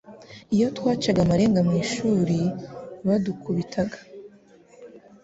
Iyo twacaga amarenga mu ishuri badukubitaga